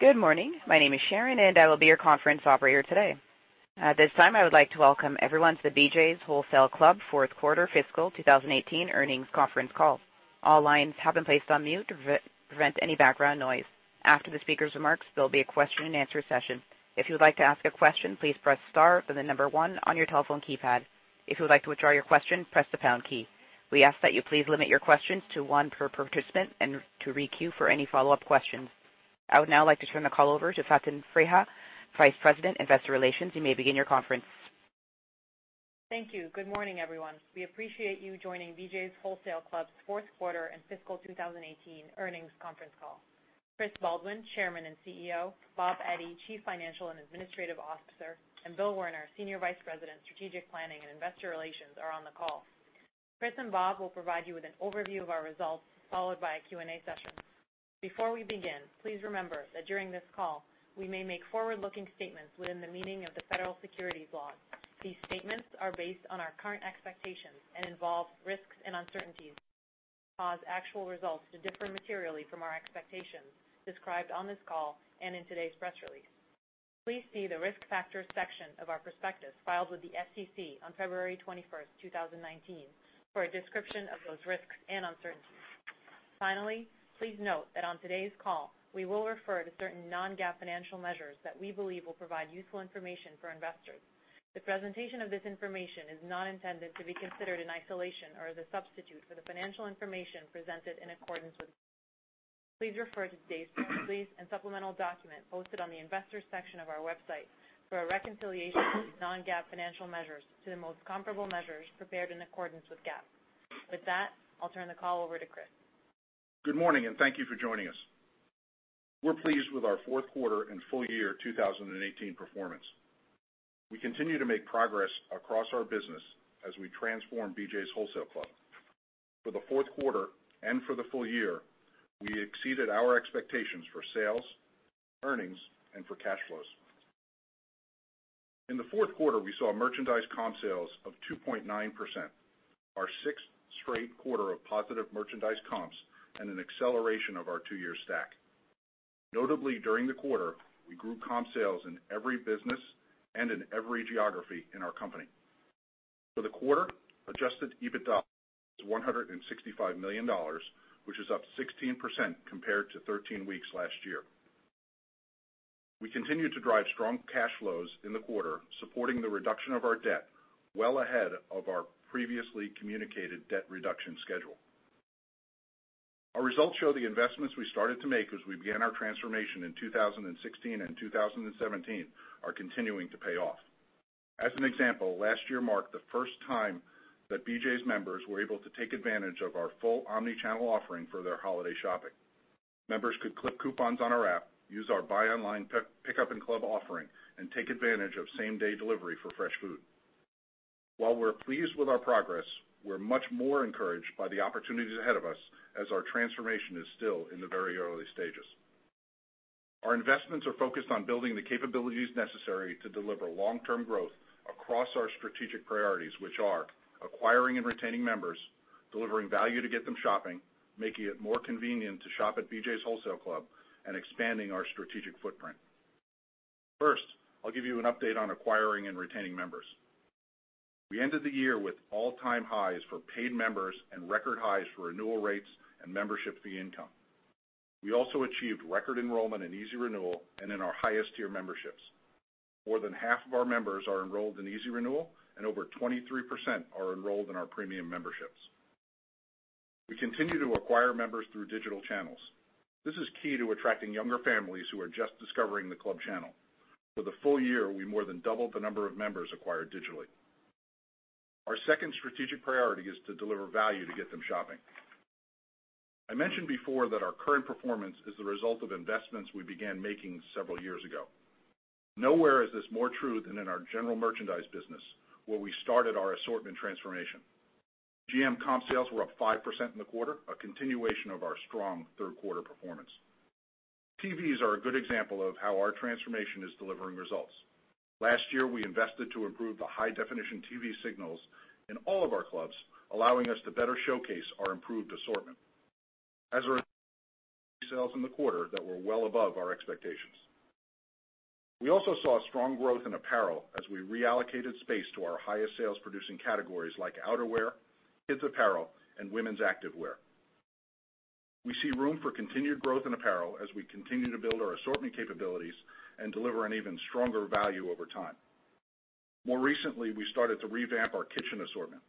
Good morning. My name is Sharon, and I will be your conference operator today. At this time, I would like to welcome everyone to the BJ’s Wholesale Club fourth quarter fiscal 2018 earnings conference call. All lines have been placed on mute to prevent any background noise. After the speaker's remarks, there'll be a question and answer session. If you would like to ask a question, please press star, then the number 1 on your telephone keypad. If you would like to withdraw your question, press the pound key. We ask that you please limit your questions to one per participant and to re-queue for any follow-up questions. I would now like to turn the call over to Faten Freiha, Vice President, Investor Relations. You may begin your conference. Thank you. Good morning, everyone. We appreciate you joining BJ’s Wholesale Club's fourth quarter and fiscal 2018 earnings conference call. Chris Baldwin, Chairman and CEO, Bob Eddy, Chief Financial and Administrative Officer, and Bill Werner, Senior Vice President, Strategic Planning and Investor Relations are on the call. Chris and Bob will provide you with an overview of our results, followed by a Q&A session. Before we begin, please remember that during this call, we may make forward-looking statements within the meaning of the Federal Securities laws. These statements are based on our current expectations and involve risks and uncertainties that could cause actual results to differ materially from our expectations described on this call and in today's press release. Please see the Risk Factors section of our prospectus filed with the SEC on February 21st, 2019, for a description of those risks and uncertainties. Finally, please note that on today's call, we will refer to certain non-GAAP financial measures that we believe will provide useful information for investors. The presentation of this information is not intended to be considered in isolation or as a substitute for the financial information presented in accordance with GAAP. Please refer to today's release and supplemental document posted on the investors section of our website for a reconciliation of these non-GAAP financial measures to the most comparable measures prepared in accordance with GAAP. With that, I'll turn the call over to Chris. Good morning, thank you for joining us. We're pleased with our fourth quarter and full year 2018 performance. We continue to make progress across our business as we transform BJ’s Wholesale Club. For the fourth quarter and for the full year, we exceeded our expectations for sales, earnings, and for cash flows. In the fourth quarter, we saw merchandise comp sales of 2.9%, our sixth straight quarter of positive merchandise comps, and an acceleration of our two-year stack. Notably, during the quarter, we grew comp sales in every business and in every geography in our company. For the quarter, adjusted EBITDA was $165 million, which is up 16% compared to 13 weeks last year. We continued to drive strong cash flows in the quarter, supporting the reduction of our debt well ahead of our previously communicated debt reduction schedule. Our results show the investments we started to make as we began our transformation in 2016 and 2017 are continuing to pay off. As an example, last year marked the first time that BJ's members were able to take advantage of our full omni-channel offering for their holiday shopping. Members could clip coupons on our app, use our buy online pickup in club offering, and take advantage of same-day delivery for fresh food. While we're pleased with our progress, we're much more encouraged by the opportunities ahead of us as our transformation is still in the very early stages. Our investments are focused on building the capabilities necessary to deliver long-term growth across our strategic priorities, which are acquiring and retaining members, delivering value to get them shopping, making it more convenient to shop at BJ's Wholesale Club, and expanding our strategic footprint. First, I'll give you an update on acquiring and retaining members. We ended the year with all-time highs for paid members and record highs for renewal rates and membership fee income. We also achieved record enrollment in Easy Renewal and in our highest tier memberships. More than half of our members are enrolled in Easy Renewal, and over 23% are enrolled in our premium memberships. We continue to acquire members through digital channels. This is key to attracting younger families who are just discovering the club channel. For the full year, we more than doubled the number of members acquired digitally. Our second strategic priority is to deliver value to get them shopping. I mentioned before that our current performance is the result of investments we began making several years ago. Nowhere is this more true than in our general merchandise business, where we started our assortment transformation. GM comp sales were up 5% in the quarter, a continuation of our strong third-quarter performance. TVs are a good example of how our transformation is delivering results. Last year, we invested to improve the high-definition TV signals in all of our clubs, allowing us to better showcase our improved assortment. As a result, sales in the quarter that were well above our expectations. We also saw strong growth in apparel as we reallocated space to our highest sales-producing categories like outerwear, kids' apparel, and women's activewear. We see room for continued growth in apparel as we continue to build our assortment capabilities and deliver an even stronger value over time. More recently, we started to revamp our kitchen assortment.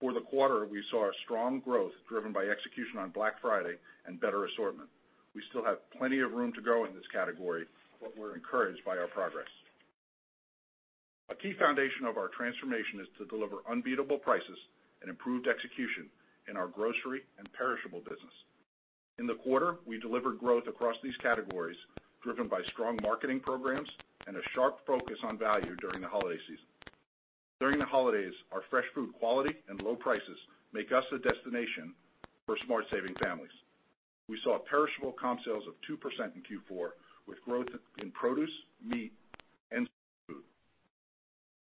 For the quarter, we saw strong growth driven by execution on Black Friday and better assortment. We still have plenty of room to grow in this category. We're encouraged by our progress. A key foundation of our transformation is to deliver unbeatable prices and improved execution in our grocery and perishable business. In the quarter, we delivered growth across these categories, driven by strong marketing programs and a sharp focus on value during the holiday season. During the holidays, our fresh food quality and low prices make us a destination for smart-saving families. We saw perishable comp sales of 2% in Q4, with growth in produce, meat.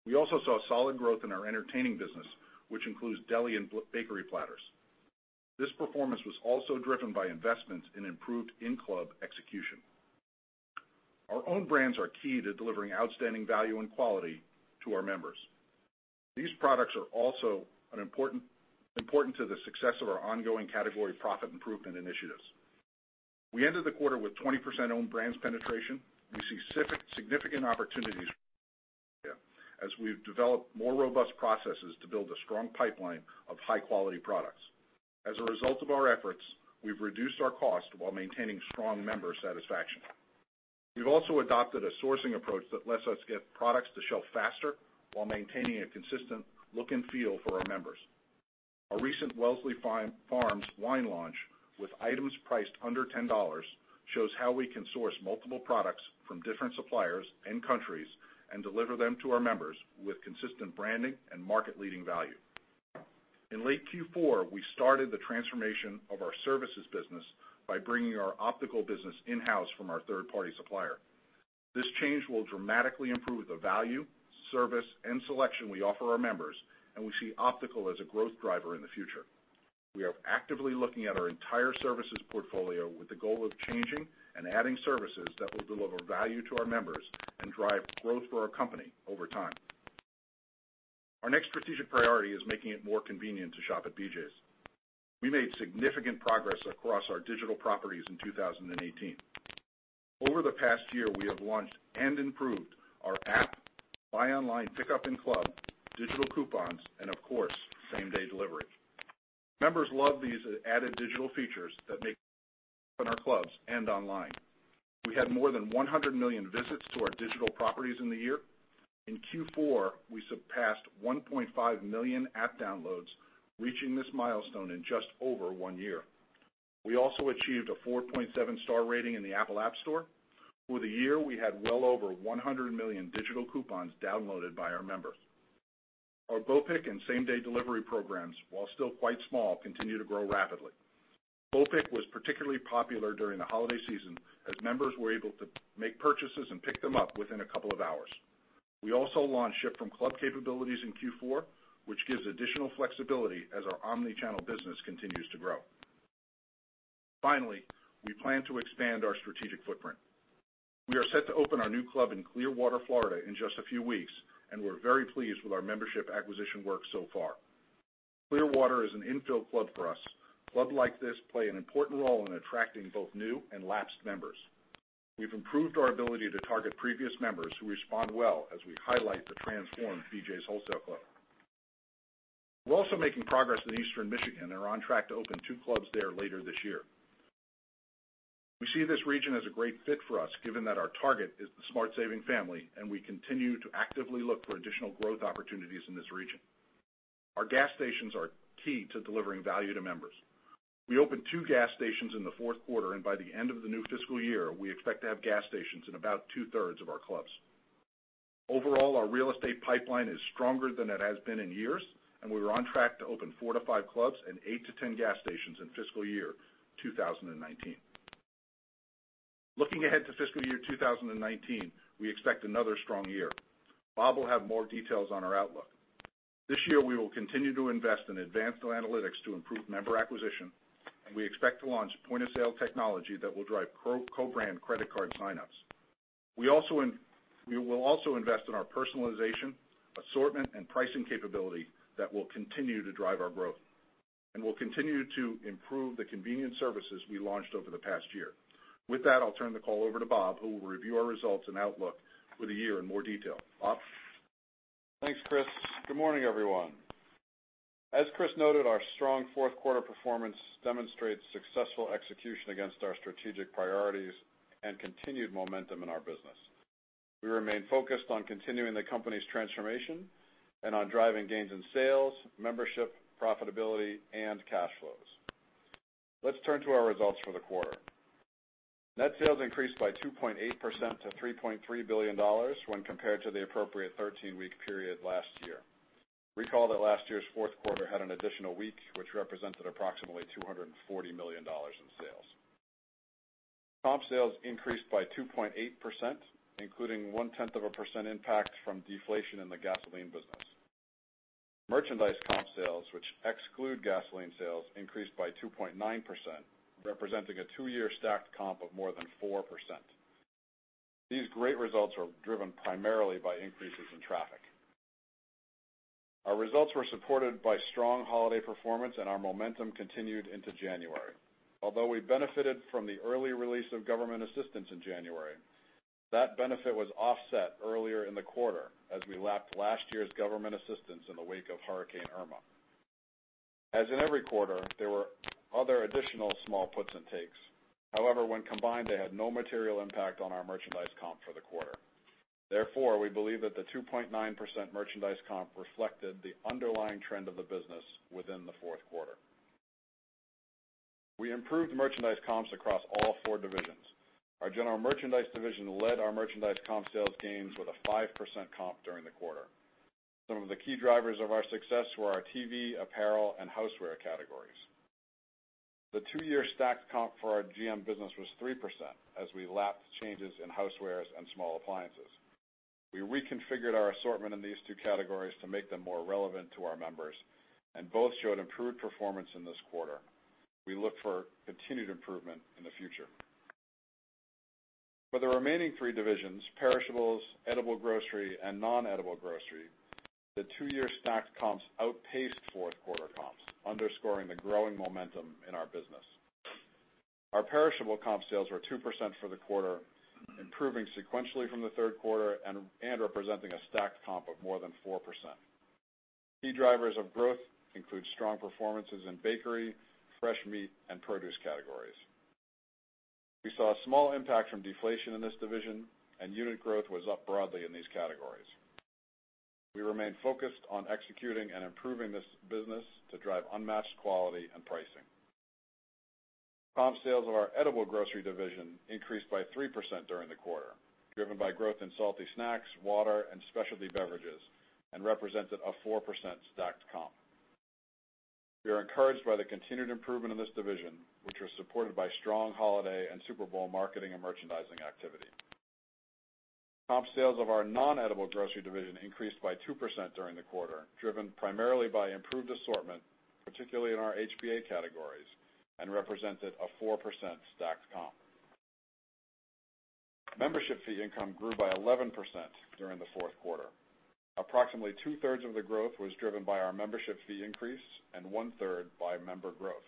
We also saw solid growth in our entertaining business, which includes deli and bakery platters. This performance was also driven by investments in improved in-club execution. Our own brands are key to delivering outstanding value and quality to our members. These products are also important to the success of our ongoing category profit improvement initiatives. We ended the quarter with 20% own brands penetration. We see significant opportunities as we've developed more robust processes to build a strong pipeline of high-quality products. As a result of our efforts, we've reduced our cost while maintaining strong member satisfaction. We've also adopted a sourcing approach that lets us get products to shelf faster while maintaining a consistent look and feel for our members. Our recent Wellsley Farms wine launch, with items priced under $10, shows how we can source multiple products from different suppliers and countries, and deliver them to our members with consistent branding and market-leading value. In late Q4, we started the transformation of our services business by bringing our optical business in-house from our third-party supplier. This change will dramatically improve the value, service, and selection we offer our members, and we see optical as a growth driver in the future. We are actively looking at our entire services portfolio with the goal of changing and adding services that will deliver value to our members and drive growth for our company over time. Our next strategic priority is making it more convenient to shop at BJ's. We made significant progress across our digital properties in 2018. Over the past year, we have launched and improved our app, Buy Online Pick Up in Club, digital coupons, and of course, same-day delivery. Members love these added digital features that make in our clubs and online. We had more than 100 million visits to our digital properties in the year. In Q4, we surpassed 1.5 million app downloads, reaching this milestone in just over one year. We also achieved a 4.7-star rating in the Apple App Store. For the year, we had well over 100 million digital coupons downloaded by our members. Our BOPIC and same-day delivery programs, while still quite small, continue to grow rapidly. BOPIC was particularly popular during the holiday season, as members were able to make purchases and pick them up within a couple of hours. We also launched ship-from-club capabilities in Q4, which gives additional flexibility as our omni-channel business continues to grow. We plan to expand our strategic footprint. We are set to open our new club in Clearwater, Florida, in just a few weeks, and we're very pleased with our membership acquisition work so far. Clearwater is an infill club for us. Clubs like this play an important role in attracting both new and lapsed members. We've improved our ability to target previous members who respond well as we highlight the transformed BJ's Wholesale Club. We're also making progress in Eastern Michigan and are on track to open two clubs there later this year. We see this region as a great fit for us, given that our target is the smart saving family, and we continue to actively look for additional growth opportunities in this region. Our gas stations are key to delivering value to members. We opened two gas stations in the fourth quarter, and by the end of the new fiscal year, we expect to have gas stations in about two-thirds of our clubs. Overall, our real estate pipeline is stronger than it has been in years, and we are on track to open four to five clubs and eight to 10 gas stations in fiscal year 2019. Looking ahead to fiscal year 2019, we expect another strong year. Bob will have more details on our outlook. This year, we will continue to invest in advanced analytics to improve member acquisition, and we expect to launch point-of-sale technology that will drive co-brand credit card sign-ups. We will also invest in our personalization, assortment, and pricing capability that will continue to drive our growth, and we'll continue to improve the convenient services we launched over the past year. With that, I'll turn the call over to Bob, who will review our results and outlook for the year in more detail. Bob? Thanks, Chris. Good morning, everyone. As Chris noted, our strong fourth quarter performance demonstrates successful execution against our strategic priorities and continued momentum in our business. We remain focused on continuing the company's transformation and on driving gains in sales, membership, profitability, and cash flows. Let's turn to our results for the quarter. Net sales increased by 2.8% to $3.3 billion when compared to the appropriate 13-week period last year. Recall that last year's fourth quarter had an additional week, which represented approximately $240 million in sales. Comp sales increased by 2.8%, including one tenth of a percent impact from deflation in the gasoline business. Merchandise comp sales, which exclude gasoline sales, increased by 2.9%, representing a two-year stacked comp of more than 4%. These great results are driven primarily by increases in traffic. Our results were supported by strong holiday performance, and our momentum continued into January. Although we benefited from the early release of government assistance in January, that benefit was offset earlier in the quarter as we lapped last year's government assistance in the wake of Hurricane Irma. As in every quarter, there were other additional small puts and takes. However, when combined, they had no material impact on our merchandise comp for the quarter. Therefore, we believe that the 2.9% merchandise comp reflected the underlying trend of the business within the fourth quarter. We improved merchandise comps across all four divisions. Our general merchandise division led our merchandise comp sales gains with a 5% comp during the quarter. Some of the key drivers of our success were our TV, apparel, and houseware categories. The two-year stacked comp for our GM business was 3% as we lapped changes in housewares and small appliances. We reconfigured our assortment in these two categories to make them more relevant to our members, and both showed improved performance in this quarter. We look for continued improvement in the future. For the remaining three divisions, perishables, edible grocery, and non-edible grocery, the two-year stacked comps outpaced fourth quarter comps, underscoring the growing momentum in our business. Our perishable comp sales were 2% for the quarter, improving sequentially from the third quarter and representing a stacked comp of more than 4%. Key drivers of growth include strong performances in bakery, fresh meat and produce categories. We saw a small impact from deflation in this division, and unit growth was up broadly in these categories. We remain focused on executing and improving this business to drive unmatched quality and pricing. Comp sales of our edible grocery division increased by 3% during the quarter, driven by growth in salty snacks, water and specialty beverages, and represented a 4% stacked comp. We are encouraged by the continued improvement in this division, which was supported by strong holiday and Super Bowl marketing and merchandising activity. Comp sales of our non-edible grocery division increased by 2% during the quarter, driven primarily by improved assortment, particularly in our HBA categories, and represented a 4% stacked comp. Membership fee income grew by 11% during the fourth quarter. Approximately two-thirds of the growth was driven by our membership fee increase and one-third by member growth.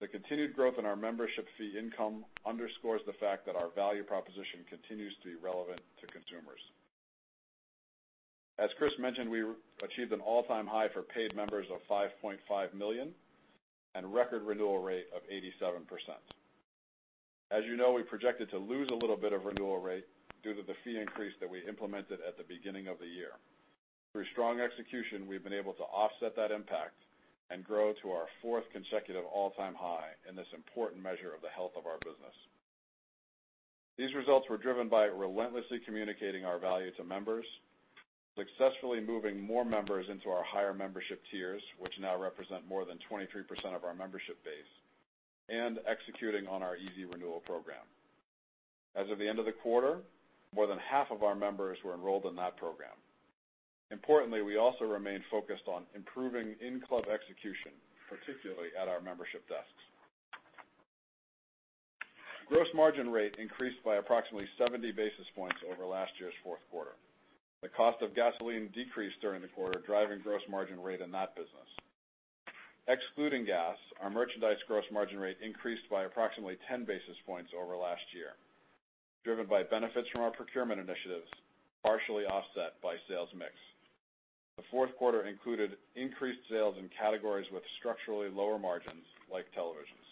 The continued growth in our membership fee income underscores the fact that our value proposition continues to be relevant to consumers. As Chris mentioned, we achieved an all-time high for paid members of 5.5 million and record renewal rate of 87%. As you know, we projected to lose a little bit of renewal rate due to the fee increase that we implemented at the beginning of the year. Through strong execution, we've been able to offset that impact and grow to our fourth consecutive all-time high in this important measure of the health of our business. These results were driven by relentlessly communicating our value to members, successfully moving more members into our higher membership tiers, which now represent more than 23% of our membership base, and executing on our easy renewal program. As of the end of the quarter, more than half of our members were enrolled in that program. Importantly, we also remain focused on improving in-club execution, particularly at our membership desks. Gross margin rate increased by approximately 70 basis points over last year's fourth quarter. The cost of gasoline decreased during the quarter, driving gross margin rate in that business. Excluding gas, our merchandise gross margin rate increased by approximately 10 basis points over last year, driven by benefits from our procurement initiatives, partially offset by sales mix. The fourth quarter included increased sales in categories with structurally lower margins, like televisions.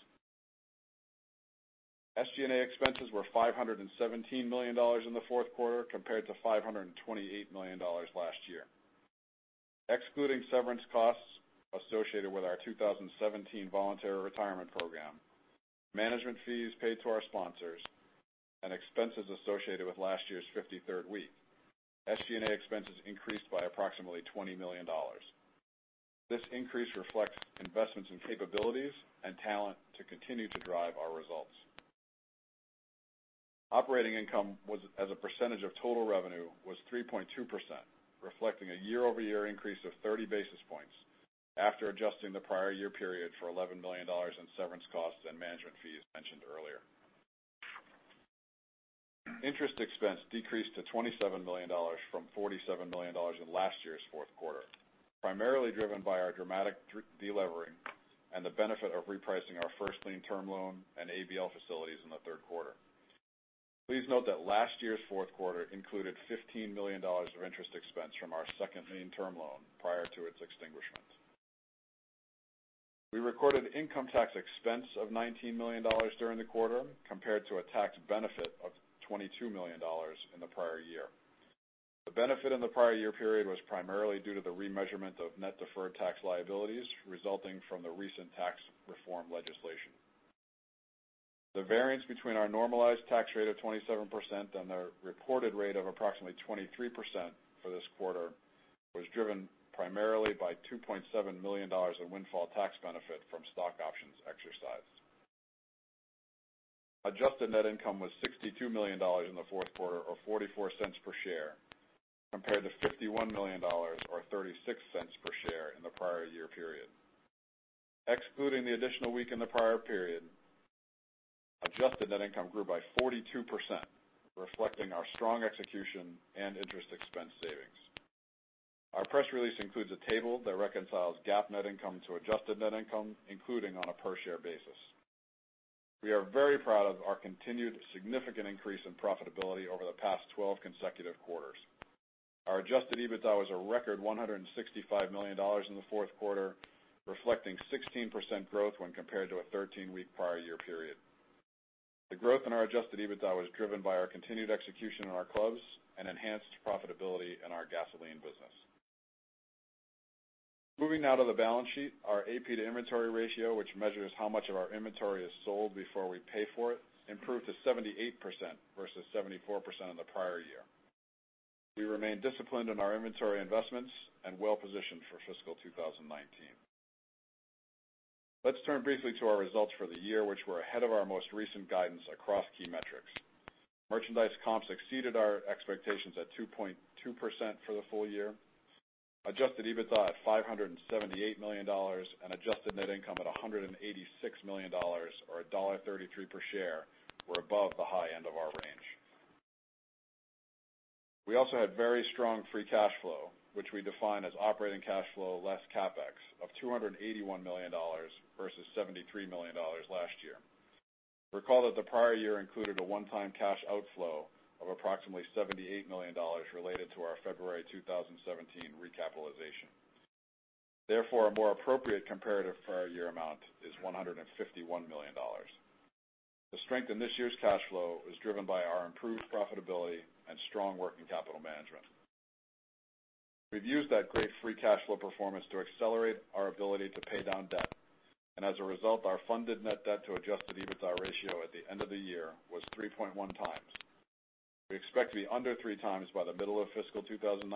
SG&A expenses were $517 million in the fourth quarter compared to $528 million last year. Excluding severance costs associated with our 2017 voluntary retirement program, management fees paid to our sponsors, and expenses associated with last year's 53rd week, SG&A expenses increased by approximately $20 million. This increase reflects investments in capabilities and talent to continue to drive our results. Operating income as a percentage of total revenue was 3.2%, reflecting a year-over-year increase of 30 basis points after adjusting the prior year period for $11 million in severance costs and management fees mentioned earlier. Interest expense decreased to $27 million from $47 million in last year's fourth quarter, primarily driven by our dramatic de-levering and the benefit of repricing our first lien term loan and ABL facilities in the third quarter. Please note that last year's fourth quarter included $15 million of interest expense from our second lien term loan prior to its extinguishment. We recorded income tax expense of $19 million during the quarter, compared to a tax benefit of $22 million in the prior year. The benefit in the prior year period was primarily due to the remeasurement of net deferred tax liabilities resulting from the recent tax reform legislation. The variance between our normalized tax rate of 27% and the reported rate of approximately 23% for this quarter was driven primarily by $2.7 million in windfall tax benefit from stock options exercised. Adjusted net income was $62 million in the fourth quarter, or $0.44 per share, compared to $51 million or $0.36 per share in the prior year period. Excluding the additional week in the prior period, adjusted net income grew by 42%, reflecting our strong execution and interest expense savings. Our press release includes a table that reconciles GAAP net income to adjusted net income, including on a per-share basis. We are very proud of our continued significant increase in profitability over the past 12 consecutive quarters. Our adjusted EBITDA was a record $165 million in the fourth quarter, reflecting 16% growth when compared to a 13-week prior year period. The growth in our adjusted EBITDA was driven by our continued execution in our clubs and enhanced profitability in our gasoline business. Moving now to the balance sheet, our AP to inventory ratio, which measures how much of our inventory is sold before we pay for it, improved to 78% versus 74% in the prior year. We remain disciplined in our inventory investments and well-positioned for fiscal 2019. Let's turn briefly to our results for the year, which were ahead of our most recent guidance across key metrics. Merchandise comps exceeded our expectations at 2.2% for the full year. Adjusted EBITDA at $578 million and adjusted net income at $186 million, or $1.33 per share, were above the high end of our range. We also had very strong free cash flow, which we define as operating cash flow less CapEx of $281 million versus $73 million last year. Recall that the prior year included a one-time cash outflow of approximately $78 million related to our February 2017 recapitalization. Therefore, a more appropriate comparative prior year amount is $151 million. The strength in this year's cash flow is driven by our improved profitability and strong working capital management. As a result, our funded net debt to adjusted EBITDA ratio at the end of the year was 3.1 times. We expect to be under 3 times by the middle of fiscal 2019,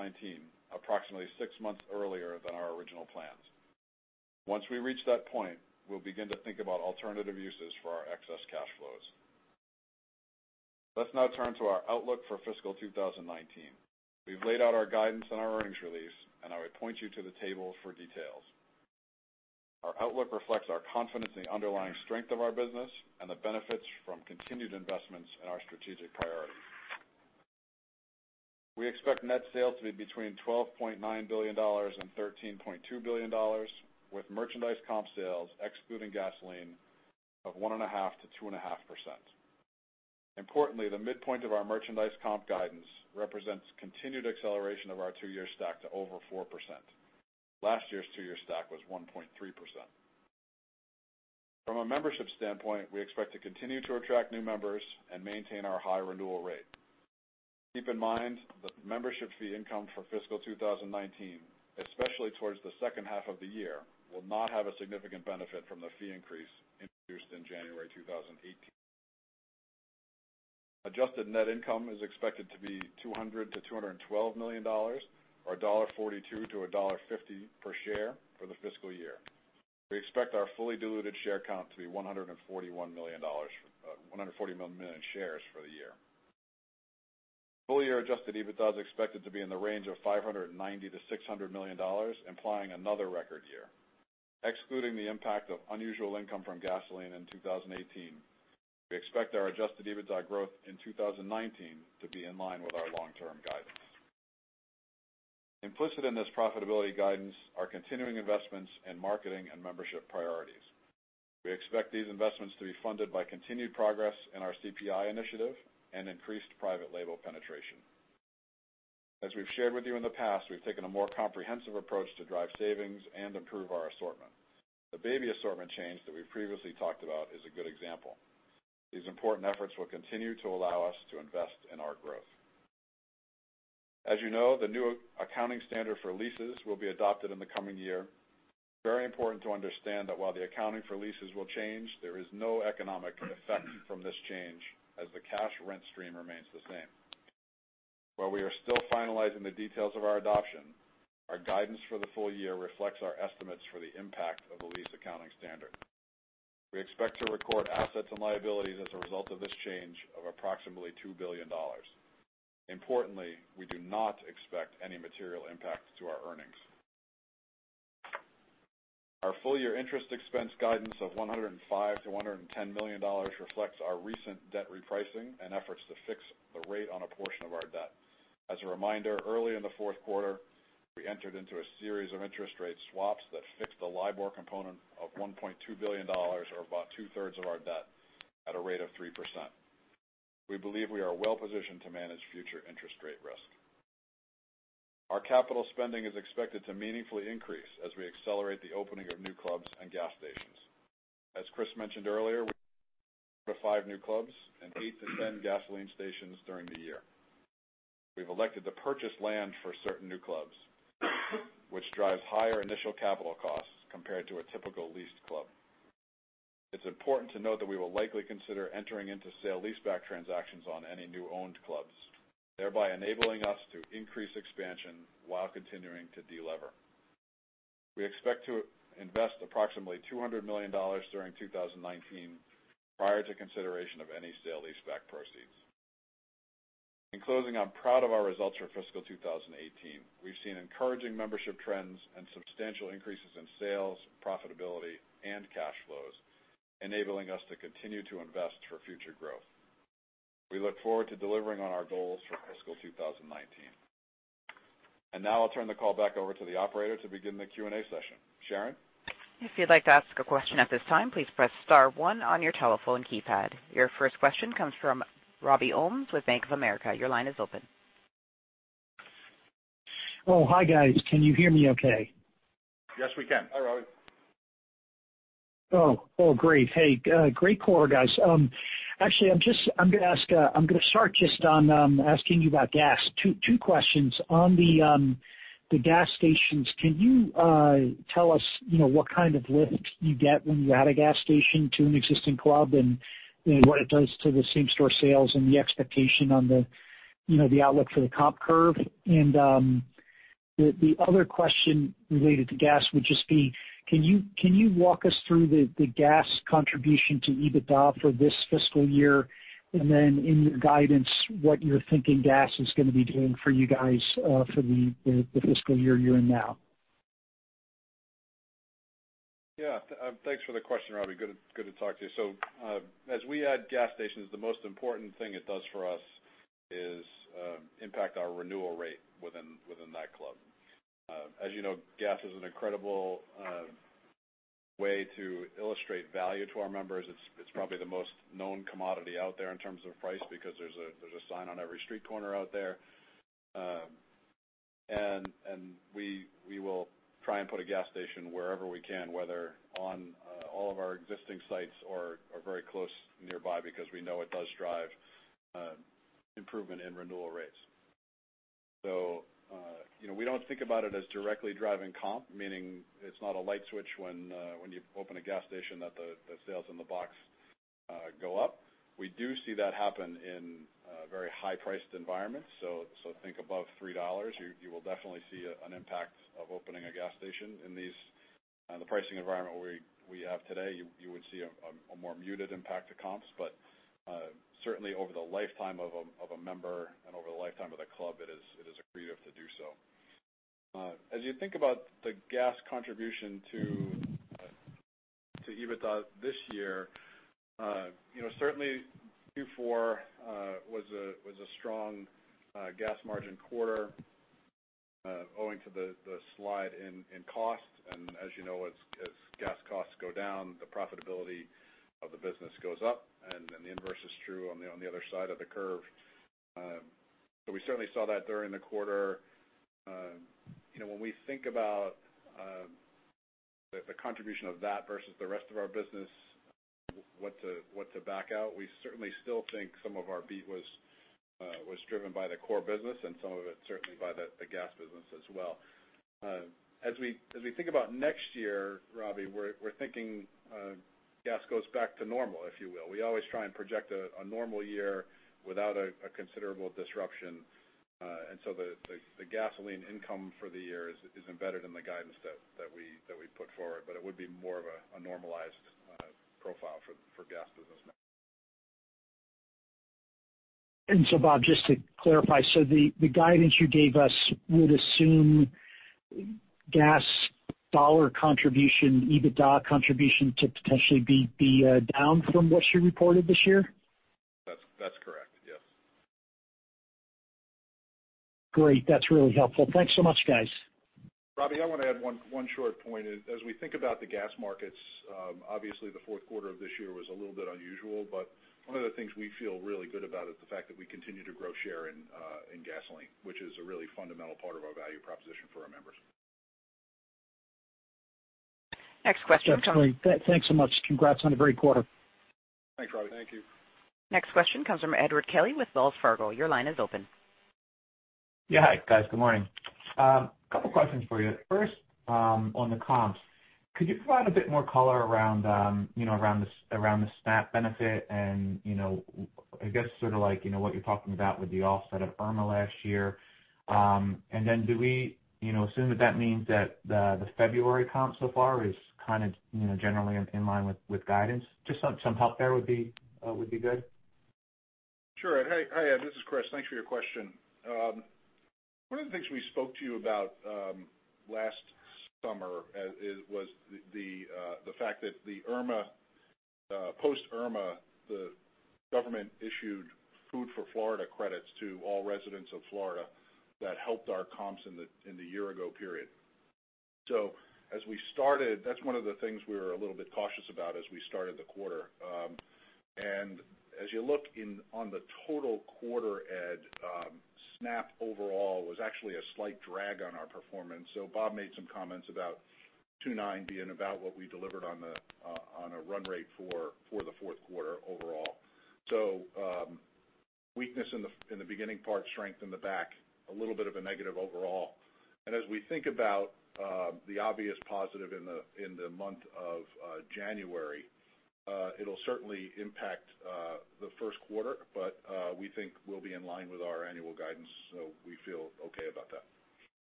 approximately six months earlier than our original plans. Once we reach that point, we'll begin to think about alternative uses for our excess cash flows. Let's now turn to our outlook for fiscal 2019. We've laid out our guidance in our earnings release, I would point you to the table for details. Our outlook reflects our confidence in the underlying strength of our business and the benefits from continued investments in our strategic priorities. We expect net sales to be between $12.9 billion-$13.2 billion, with merchandise comp sales excluding gasoline of 1.5%-2.5%. Importantly, the midpoint of our merchandise comp guidance represents continued acceleration of our two-year stack to over 4%. Last year's two-year stack was 1.3%. From a membership standpoint, we expect to continue to attract new members and maintain our high renewal rate. Keep in mind that membership fee income for fiscal 2019, especially towards the second half of the year, will not have a significant benefit from the fee increase introduced in January 2018. Adjusted net income is expected to be $200 to $212 million, or $1.42 to $1.50 per share for the fiscal year. We expect our fully diluted share count to be 141 million shares for the year. Full-year adjusted EBITDA is expected to be in the range of $590 to $600 million, implying another record year. Excluding the impact of unusual income from gasoline in 2018, we expect our adjusted EBITDA growth in 2019 to be in line with our long-term guidance. Implicit in this profitability guidance are continuing investments in marketing and membership priorities. We expect these investments to be funded by continued progress in our CPI initiative and increased private label penetration. As we've shared with you in the past, we've taken a more comprehensive approach to drive savings and improve our assortment. The baby assortment change that we've previously talked about is a good example. These important efforts will continue to allow us to invest in our growth. As you know, the new accounting standard for leases will be adopted in the coming year. Very important to understand that while the accounting for leases will change, there is no economic effect from this change as the cash rent stream remains the same. While we are still finalizing the details of our adoption, our guidance for the full year reflects our estimates for the impact of the lease accounting standard. We expect to record assets and liabilities as a result of this change of approximately $2 billion. Importantly, we do not expect any material impact to our earnings. Our full-year interest expense guidance of $105 to $110 million reflects our recent debt repricing and efforts to fix the rate on a portion of our debt. As a reminder, early in the fourth quarter, we entered into a series of interest rate swaps that fixed the LIBOR component of $1.2 billion, or about two-thirds of our debt, at a rate of 3%. We believe we are well positioned to manage future interest rate risk. Our capital spending is expected to meaningfully increase as we accelerate the opening of new clubs and gas stations. As Chris mentioned earlier, five new clubs and eight to 10 gasoline stations during the year. We've elected to purchase land for certain new clubs, which drives higher initial capital costs compared to a typical leased club. It's important to note that we will likely consider entering into sale-leaseback transactions on any new owned clubs, thereby enabling us to increase expansion while continuing to de-lever. We expect to invest approximately $200 million during 2019, prior to consideration of any sale-leaseback proceeds. In closing, I'm proud of our results for fiscal 2018. We've seen encouraging membership trends and substantial increases in sales, profitability, and cash flows, enabling us to continue to invest for future growth. We look forward to delivering on our goals for fiscal 2019. Now I'll turn the call back over to the operator to begin the Q&A session. Sharon? If you'd like to ask a question at this time, please press star one on your telephone keypad. Your first question comes from Robert Ohmes with Bank of America. Your line is open. Oh, hi, guys. Can you hear me okay? Yes, we can. Hi, Robbie. Oh, great. Hey, great quarter, guys. Actually, I'm going to start just on asking you about gas. Two questions on the gas stations. Can you tell us what kind of lift you get when you add a gas station to an existing club, and what it does to the same-store sales and the expectation on the outlook for the comp curve? The other question related to gas would just be, can you walk us through the gas contribution to EBITDA for this fiscal year? In your guidance, what you're thinking gas is going to be doing for you guys for the fiscal year you're in now. Yeah. Thanks for the question, Robbie. Good to talk to you. As we add gas stations, the most important thing it does for us is impact our renewal rate within that club. As you know, gas is an incredible way to illustrate value to our members. It's probably the most known commodity out there in terms of price because there's a sign on every street corner out there. We will try and put a gas station wherever we can, whether on all of our existing sites or very close nearby because we know it does drive improvement in renewal rates. We don't think about it as directly driving comp, meaning it's not a light switch when you open a gas station that the sales in the box go up. We do see that happen in very high-priced environments. Think above $3, you will definitely see an impact of opening a gas station. In the pricing environment we have today, you would see a more muted impact to comps. Certainly over the lifetime of a member and over the lifetime of the club, it is accretive to do so. As you think about the gas contribution to EBITDA this year, certainly Q4 was a strong gas margin quarter owing to the slide in cost. As you know, as gas costs go down, the profitability of the business goes up. The inverse is true on the other side of the curve. We certainly saw that during the quarter. When we think about the contribution of that versus the rest of our business, what to back out, we certainly still think some of our beat was driven by the core business and some of it certainly by the gas business as well. As we think about next year, Robbie, we're thinking gas goes back to normal, if you will. We always try and project a normal year without a considerable disruption. The gasoline income for the year is embedded in the guidance that we put forward, but it would be more of a normalized profile for gas business. Bob, just to clarify, the guidance you gave us would assume gas dollar contribution, EBITDA contribution to potentially be down from what you reported this year? That's correct, yes. Great. That's really helpful. Thanks so much, guys. Robbie, I want to add one short point. As we think about the gas markets, obviously the fourth quarter of this year was a little bit unusual, but one of the things we feel really good about is the fact that we continue to grow share in gasoline, which is a really fundamental part of our value proposition for our members. Next question comes. That's great. Thanks so much. Congrats on a great quarter. Thanks, Robbie. Thank you. Next question comes from Edward Kelly with Wells Fargo. Your line is open. Yeah. Hi, guys. Good morning. Couple questions for you. First, on the comps, could you provide a bit more color around the SNAP benefit and, I guess sort of what you're talking about with the offset of Hurricane Irma last year? Then do we assume that that means that the February comp so far is kind of generally in line with guidance? Just some help there would be good. Sure, Ed. Hey, Ed, this is Chris. Thanks for your question. One of the things we spoke to you about last summer was the fact that post-Hurricane Irma, the government issued Food for Florida credits to all residents of Florida that helped our comps in the year ago period. As we started, that's one of the things we were a little bit cautious about as we started the quarter. As you look on the total quarter, Ed, SNAP overall was actually a slight drag on our performance. Bob made some comments about 290 and about what we delivered on a run rate for the fourth quarter overall. Weakness in the beginning part, strength in the back, a little bit of a negative overall. As we think about the obvious positive in the month of January, it'll certainly impact the first quarter, but we think we'll be in line with our annual guidance, so we feel okay about that.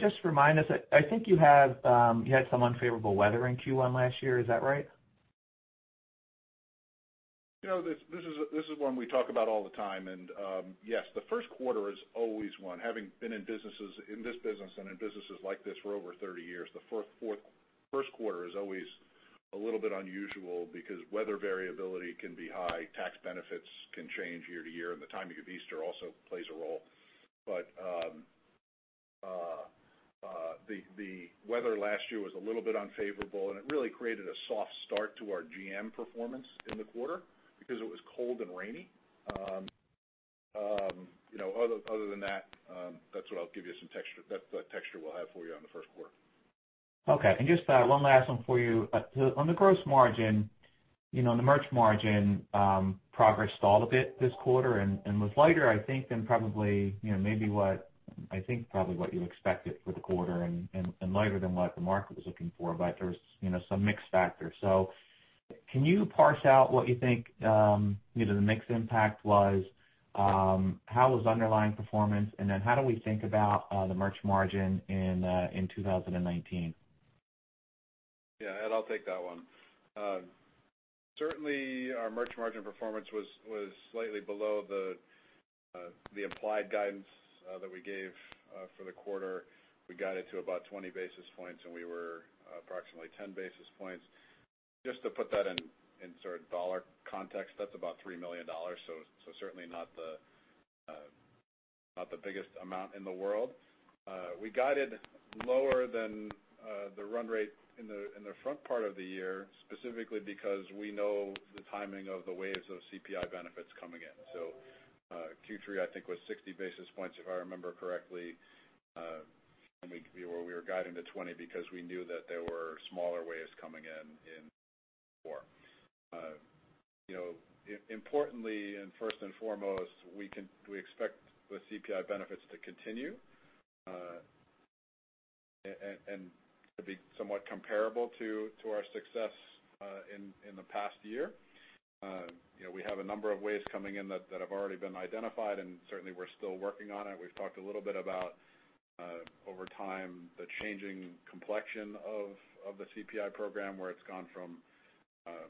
Just remind us, I think you had some unfavorable weather in Q1 last year. Is that right? This is one we talk about all the time, and yes, the first quarter is always one. Having been in this business and in businesses like this for over 30 years, the first quarter is always a little bit unusual because weather variability can be high, tax benefits can change year to year, and the timing of Easter also plays a role. The weather last year was a little bit unfavorable, and it really created a soft start to our GM performance in the quarter because it was cold and rainy. Other than that's the texture we'll have for you on the first quarter. Okay. Just one last one for you. On the gross margin, the merch margin progress stalled a bit this quarter and was lighter, I think, than probably what you expected for the quarter and lighter than what the market was looking for. There was some mix factor. Can you parse out what you think the mix impact was? How was underlying performance, and then how do we think about the merch margin in 2019? Ed, I'll take that one. Certainly, our merch margin performance was slightly below the implied guidance that we gave for the quarter. We guided to about 20 basis points, and we were approximately 10 basis points. Just to put that in dollar context, that's about $3 million, so certainly not the biggest amount in the world. We guided lower than the run rate in the front part of the year, specifically because we know the timing of the waves of CPI benefits coming in. Q3, I think, was 60 basis points, if I remember correctly. We were guiding to 20 because we knew that there were smaller waves coming in Q4. Importantly, first and foremost, we expect the CPI benefits to continue, and to be somewhat comparable to our success in the past year. We have a number of waves coming in that have already been identified, certainly we're still working on it. We've talked a little bit about, over time, the changing complexion of the CPI program, where it's gone from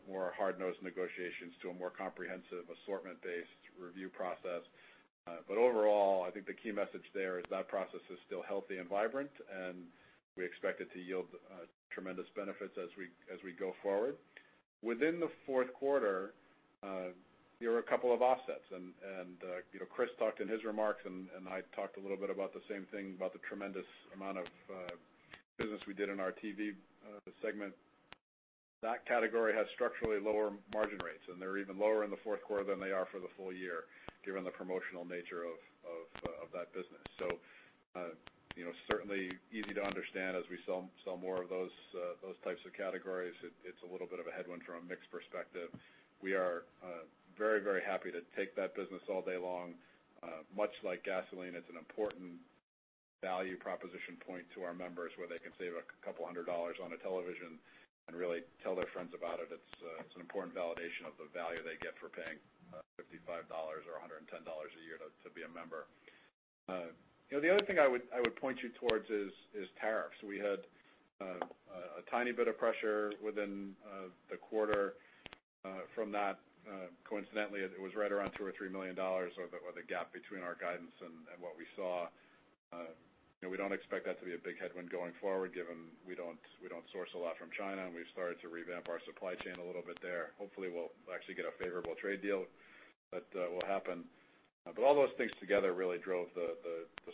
more hard-nosed negotiations to a more comprehensive assortment-based review process. Overall, I think the key message there is that process is still healthy and vibrant, we expect it to yield tremendous benefits as we go forward. Within the fourth quarter, there were a couple of offsets Chris talked in his remarks, I talked a little bit about the same thing, about the tremendous amount of business we did in our TV segment. That category has structurally lower margin rates, and they're even lower in the fourth quarter than they are for the full year, given the promotional nature of that business. Certainly easy to understand as we sell more of those types of categories. It's a little bit of a headwind from a mix perspective. We are very happy to take that business all day long. Much like gasoline, it's an important value proposition point to our members, where they can save a couple hundred dollars on a television and really tell their friends about it. It's an important validation of the value they get for paying $55 or $110 a year to be a member. The other thing I would point you towards is tariffs. We had a tiny bit of pressure within the quarter from that. Coincidentally, it was right around $2 or $3 million, or the gap between our guidance and what we saw. We don't expect that to be a big headwind going forward, given we don't source a lot from China, we've started to revamp our supply chain a little bit there. Hopefully we'll actually get a favorable trade deal. That will happen. All those things together really drove the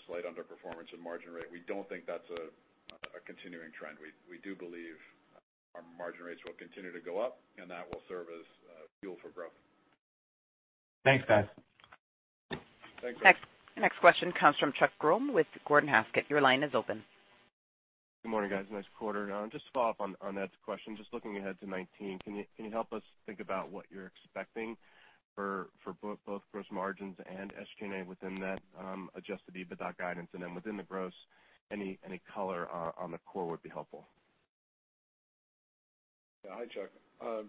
slight underperformance in margin rate. We don't think that's a continuing trend. We do believe our margin rates will continue to go up, that will serve as fuel for growth. Thanks, guys. Thanks, Ed. The next question comes from Chuck Grom with Gordon Haskett. Your line is open. Good morning, guys. Nice quarter. Just to follow up on Ed's question, just looking ahead to 2019, can you help us think about what you're expecting for both gross margins and SG&A within that adjusted EBITDA guidance? Then within the gross, any color on the core would be helpful. Yeah. Hi, Chuck.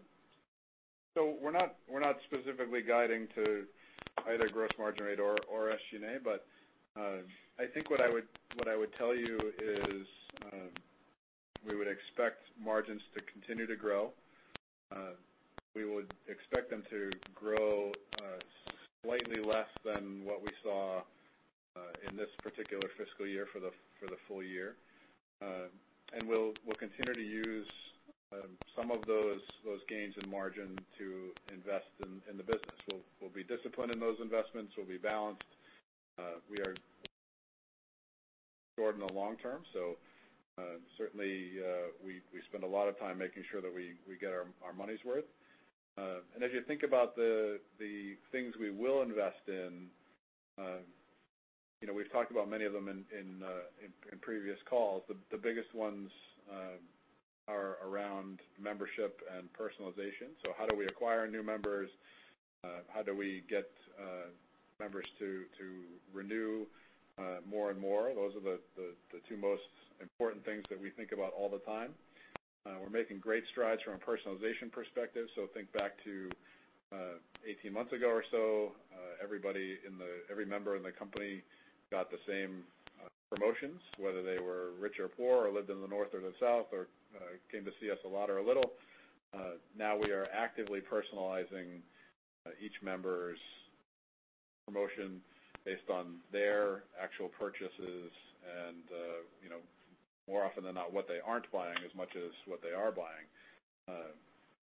We're not specifically guiding to either gross margin rate or SG&A, but I think what I would tell you is we would expect margins to continue to grow. We would expect them to grow slightly less than what we saw in this particular fiscal year for the full year. We'll continue to use some of those gains in margin to invest in the business. We'll be disciplined in those investments. We'll be balanced. We are short in the long term, certainly, we spend a lot of time making sure that we get our money's worth. As you think about the things we will invest in, we've talked about many of them in previous calls. The biggest ones are around membership and personalization. How do we acquire new members? How do we get members to renew more and more? Those are the two most important things that we think about all the time. We're making great strides from a personalization perspective. Think back to 18 months ago or so. Every member in the company got the same promotions, whether they were rich or poor, or lived in the north or the south, or came to see us a lot or a little. Now we are actively personalizing each member's promotion based on their actual purchases and, more often than not, what they aren't buying as much as what they are buying.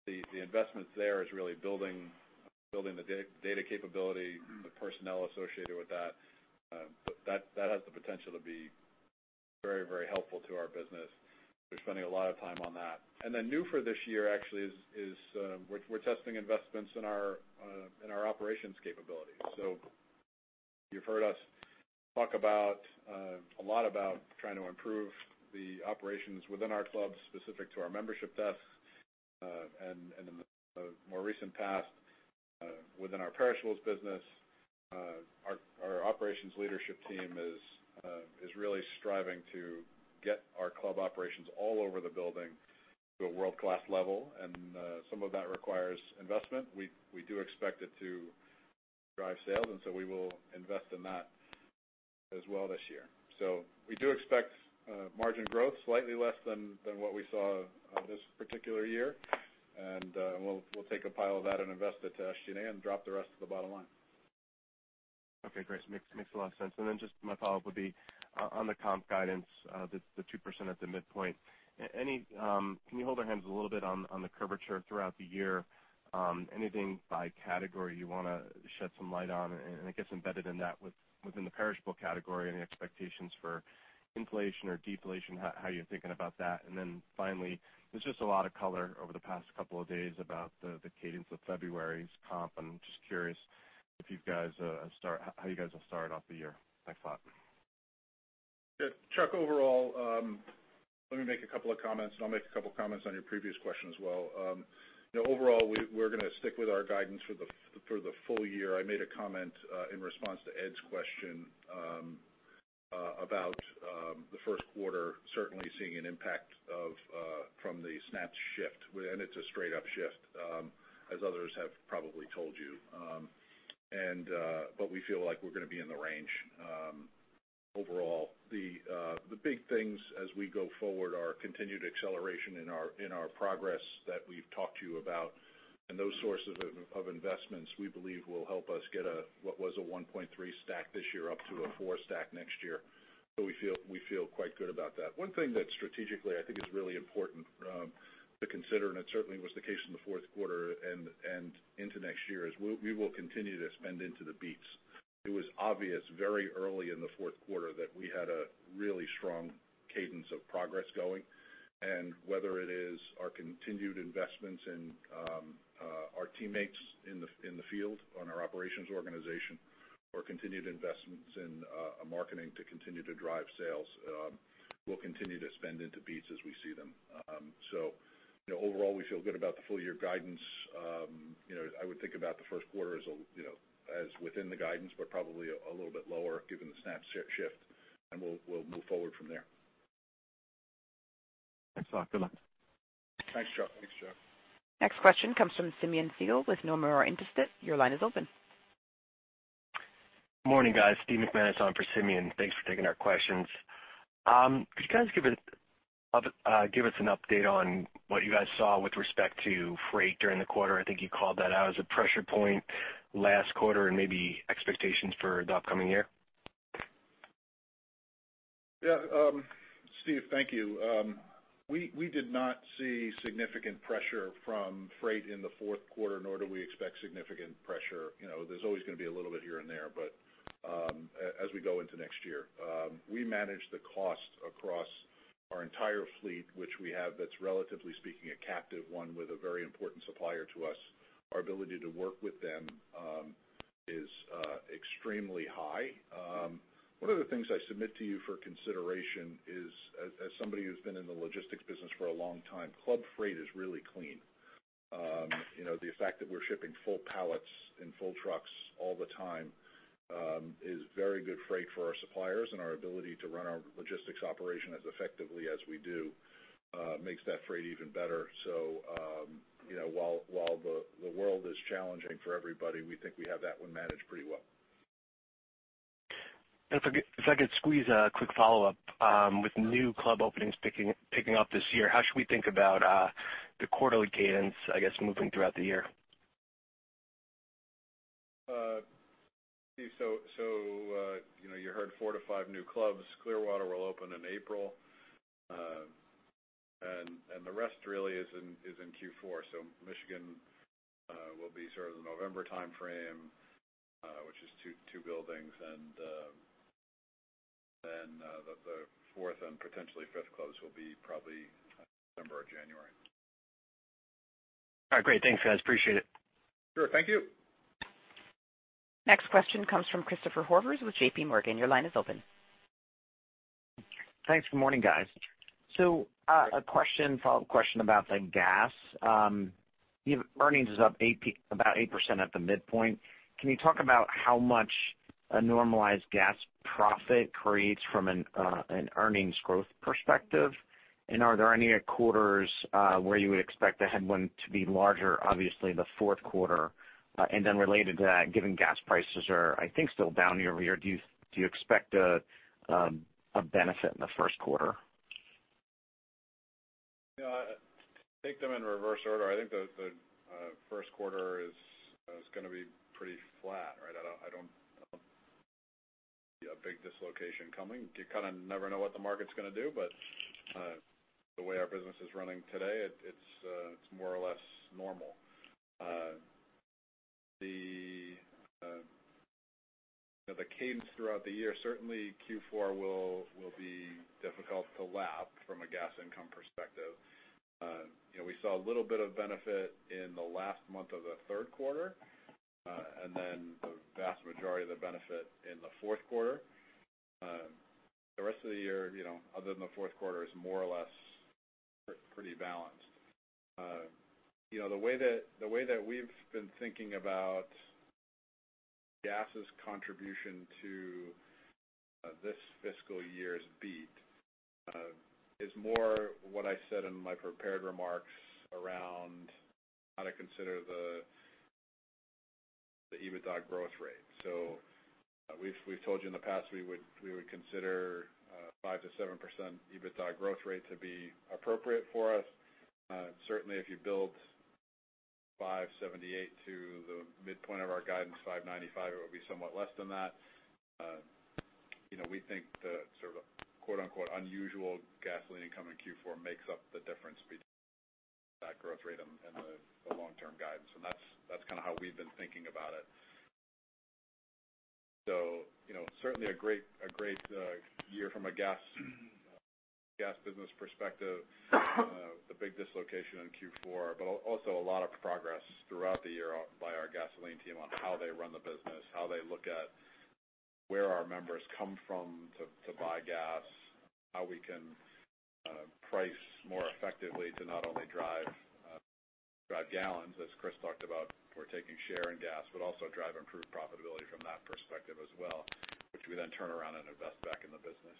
The investment there is really building the data capability, the personnel associated with that. But that has the potential to be very, very helpful to our business. We're spending a lot of time on that. New for this year actually is we're testing investments in our operations capabilities. You've heard us talk a lot about trying to improve the operations within our clubs, specific to our membership desks, and in the more recent past, within our perishables business. Our operations leadership team is really striving to get our club operations all over the building to a world-class level. Some of that requires investment. We do expect it to drive sales, and so we will invest in that as well this year. We do expect margin growth slightly less than what we saw this particular year. We'll take a pile of that and invest it to SG&A and drop the rest to the bottom line. Okay, great. Makes a lot of sense. Then just my follow-up would be on the comp guidance, the 2% at the midpoint. Can you hold our hands a little bit on the curvature throughout the year? Anything by category you want to shed some light on? I guess embedded in that within the perishable category, any expectations for inflation or deflation, how you're thinking about that. Then finally, there's just a lot of color over the past couple of days about the cadence of February's comp. I'm just curious how you guys have started off the year. Thanks a lot. Yeah. Chuck, overall, let me make a couple of comments, and I'll make a couple comments on your previous question as well. Overall, we're going to stick with our guidance for the full year. I made a comment in response to Ed's question about the first quarter certainly seeing an impact from the SNAP shift, and it's a straight up shift, as others have probably told you. We feel like we're going to be in the range overall. Those sources of investments we believe will help us get what was a 1.3 stack this year up to a four stack next year. We feel quite good about that. One thing that strategically I think is really important to consider, and it certainly was the case in the fourth quarter and into next year, is we will continue to spend into the beats. It was obvious very early in the fourth quarter that we had a really strong cadence of progress going. Whether it is our continued investments in our teammates in the field, on our operations organization or continued investments in marketing to continue to drive sales. We'll continue to spend into beats as we see them. Overall, we feel good about the full year guidance. I would think about the first quarter as within the guidance, but probably a little bit lower given the SNAP shift, and we'll move forward from there. Thanks a lot. Good luck. Thanks, Chuck. Next question comes from Simeon with Nomura Instinet. Your line is open. Morning, guys. Steven Zaccone on for Simeon. Thanks for taking our questions. Could you guys give us an update on what you guys saw with respect to freight during the quarter? I think you called that out as a pressure point last quarter and maybe expectations for the upcoming year. Yeah. Steve, thank you. We did not see significant pressure from freight in the fourth quarter, nor do we expect significant pressure. There's always going to be a little bit here and there, but as we go into next year. We manage the cost across our entire fleet, which we have that's relatively speaking, a captive one with a very important supplier to us. Our ability to work with them is extremely high. One of the things I submit to you for consideration is, as somebody who's been in the logistics business for a long time, club freight is really clean. The fact that we're shipping full pallets in full trucks all the time is very good freight for our suppliers, and our ability to run our logistics operation as effectively as we do makes that freight even better. While the world is challenging for everybody, we think we have that one managed pretty well. If I could squeeze a quick follow-up. With new club openings picking up this year, how should we think about the quarterly cadence, I guess, moving throughout the year? Steve, you heard four to five new clubs. Clearwater will open in April. The rest really is in Q4. Michigan will be sort of the November timeframe, which is two buildings. Then the fourth and potentially fifth close will be probably December or January. All right, great. Thanks, guys. Appreciate it. Sure. Thank you. Next question comes from Christopher Horvers with JPMorgan. Your line is open. Thanks. Good morning, guys. A question, follow-up question about the gas. Earnings is up about 8% at the midpoint. Can you talk about how much a normalized gas profit creates from an earnings growth perspective? Are there any quarters where you would expect the headwind to be larger, obviously the fourth quarter. Then related to that, given gas prices are, I think, still down year-over-year, do you expect a benefit in the first quarter? Yeah. To take them in reverse order, I think the first quarter is going to be pretty flat, right? I don't see a big dislocation coming. You kind of never know what the market's going to do, but the way our business is running today, it's more or less normal. The cadence throughout the year, certainly Q4 will be difficult to lap from a gas income perspective. We saw a little bit of benefit in the last month of the third quarter, then the vast majority of the benefit in the fourth quarter. The rest of the year, other than the fourth quarter, is more or less pretty balanced. The way that we've been thinking about gas' contribution to this fiscal year's beat is more what I said in my prepared remarks around how to consider the EBITDA growth rate. We've told you in the past, we would consider 5%-7% EBITDA growth rate to be appropriate for us. Certainly, if you build 578 to the midpoint of our guidance, 595, it would be somewhat less than that. We think the sort of quote-unquote, unusual gasoline income in Q4 makes up the difference between that growth rate and the long-term guidance. That's kind of how we've been thinking about it. Certainly a great year from a gas business perspective. The big dislocation in Q4, but also a lot of progress throughout the year by our gasoline team on how they run the business, how they look at where our members come from to buy gas, how we can price more effectively to not only drive gallons, as Chris talked about, we're taking share in gas, but also drive improved profitability from that perspective as well, which we then turn around and invest back in the business.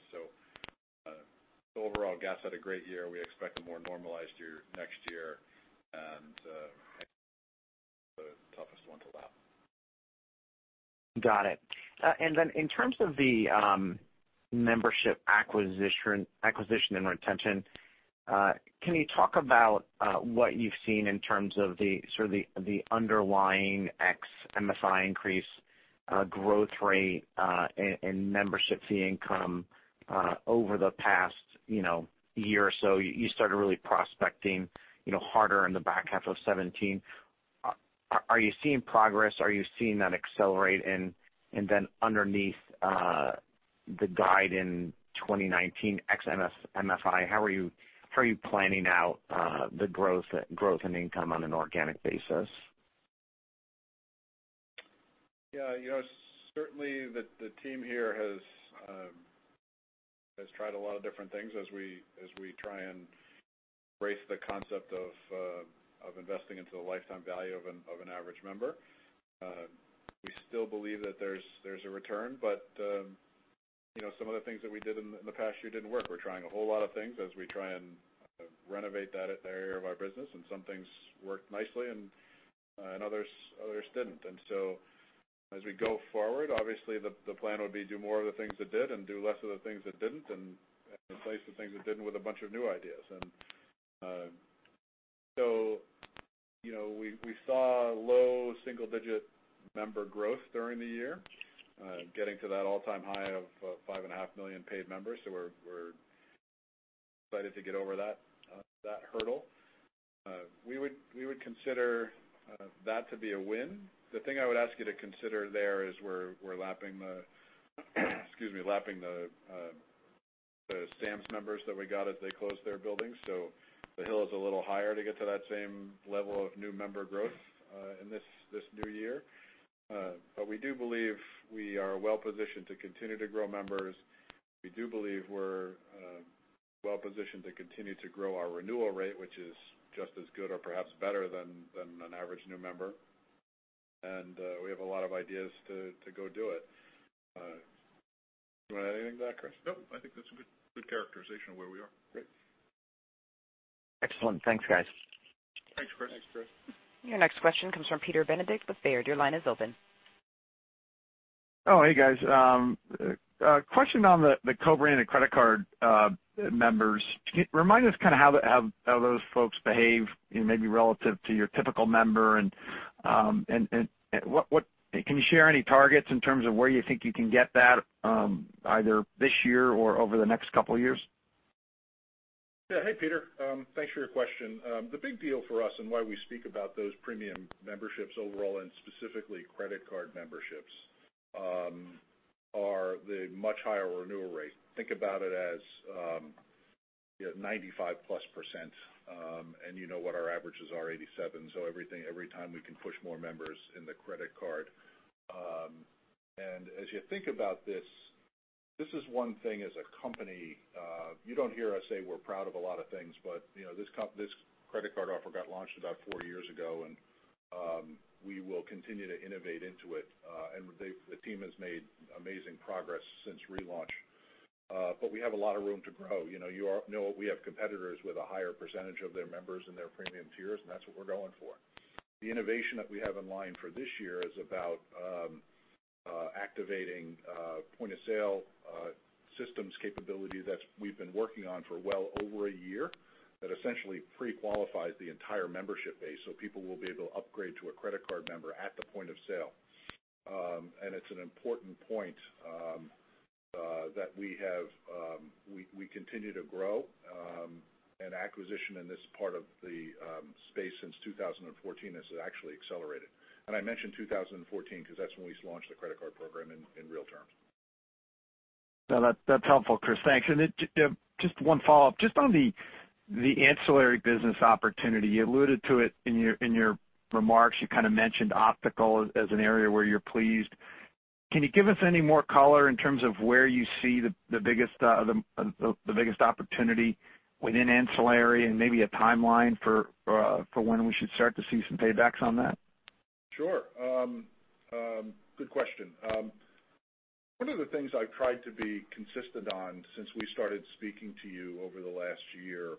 Overall, gas had a great year. We expect a more normalized year next year, and the toughest one to lap. Got it. Then in terms of the membership acquisition and retention, can you talk about what you've seen in terms of the sort of the underlying ex-MFI increase growth rate in membership fee income over the past year or so? You started really prospecting harder in the back half of 2017. Are you seeing progress? Are you seeing that accelerate? Then underneath the guide in 2019, ex-MFI, how are you planning out the growth and income on an organic basis? Certainly, the team here has tried a lot of different things as we try and embrace the concept of investing into the lifetime value of an average member. We still believe that there's a return, some of the things that we did in the past year didn't work. We're trying a whole lot of things as we try and renovate that area of our business, some things worked nicely and others didn't. As we go forward, obviously, the plan would be do more of the things that did and do less of the things that didn't, and replace the things that didn't with a bunch of new ideas. We saw low single-digit member growth during the year, getting to that all-time high of 5.5 million paid members. We're excited to get over that hurdle. We would consider that to be a win. The thing I would ask you to consider there is we're lapping the Sam's members that we got as they closed their buildings. The hill is a little higher to get to that same level of new member growth in this new year. We do believe we are well positioned to continue to grow members. We do believe we're well positioned to continue to grow our renewal rate, which is just as good or perhaps better than an average new member. We have a lot of ideas to go do it. You want to add anything to that, Chris? Nope. I think that's a good characterization of where we are. Great. Excellent. Thanks, guys. Thanks, Chris. Thanks, Chris. Your next question comes from Peter Benedict with Baird. Your line is open. Oh, hey, guys. A question on the co-branded credit card members. Can you remind us kind of how those folks behave, maybe relative to your typical member? Can you share any targets in terms of where you think you can get that, either this year or over the next couple of years? Yeah. Hey, Peter. Thanks for your question. The big deal for us and why we speak about those premium memberships overall, and specifically credit card memberships, are the much higher renewal rate. Think about it as 95%+, and you know what our averages are, 87. Every time we can push more members in the credit card. As you think about this is one thing as a company you don't hear us say we're proud of a lot of things, but this credit card offer got launched about four years ago, and we will continue to innovate into it. The team has made amazing progress since relaunch. We have a lot of room to grow. You know we have competitors with a higher percentage of their members in their premium tiers, and that's what we're going for. The innovation that we have in line for this year is about activating point of sale systems capability that we've been working on for well over a year, that essentially pre-qualifies the entire membership base, so people will be able to upgrade to a credit card member at the point of sale. It's an important point we continue to grow and acquisition in this part of the space since 2014 has actually accelerated. I mentioned 2014 because that's when we launched the credit card program in real terms. No, that's helpful, Chris. Thanks. Just one follow-up, just on the ancillary business opportunity. You alluded to it in your remarks. You kind of mentioned optical as an area where you're pleased. Can you give us any more color in terms of where you see the biggest opportunity within ancillary and maybe a timeline for when we should start to see some paybacks on that? Sure. Good question. One of the things I've tried to be consistent on since we started speaking to you over the last year,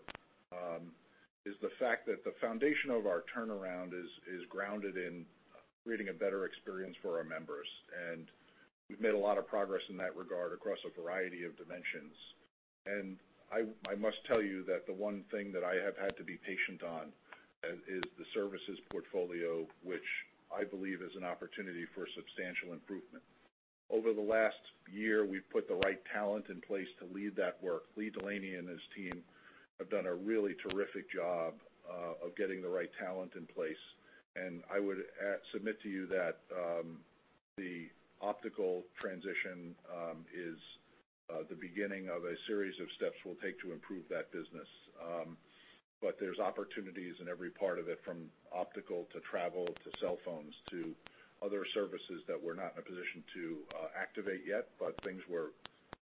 is the fact that the foundation of our turnaround is grounded in creating a better experience for our members. We've made a lot of progress in that regard across a variety of dimensions. I must tell you that the one thing that I have had to be patient on is the services portfolio, which I believe is an opportunity for substantial improvement. Over the last year, we've put the right talent in place to lead that work. Lee Delaney and his team have done a really terrific job of getting the right talent in place. I would submit to you that the optical transition is the beginning of a series of steps we'll take to improve that business. There's opportunities in every part of it, from optical to travel, to cell phones, to other services that we're not in a position to activate yet, but things we're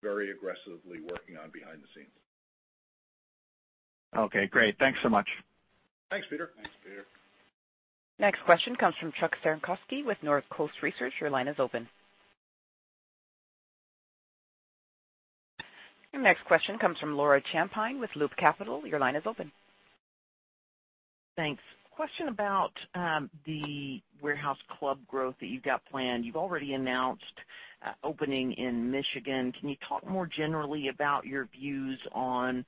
very aggressively working on behind the scenes. Okay, great. Thanks so much. Thanks, Peter. Thanks, Peter. Next question comes from Chuck Cerankosky with Northcoast Research. Your line is open. Your next question comes from Laura Champine with Loop Capital. Your line is open. Thanks. Question about the warehouse club growth that you've got planned. You've already announced opening in Michigan. Can you talk more generally about your views on